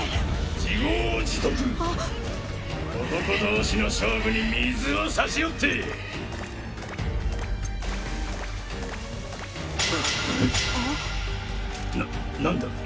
自業自得男同士の勝負に水を差しおってな何だ？